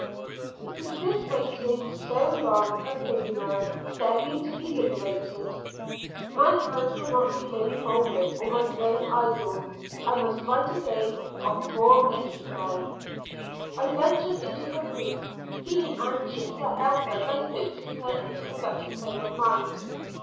It is this waiting so long a prisoner, begging to be liberated. My hands will not remain folded or my brain idle. I must write again of poor Miss Snow. I ventured into her room, feeling anxious to help her by coaxing her into a better frame of mind.